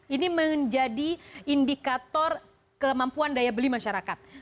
ini menjadi indikator kemampuan daya beli masyarakat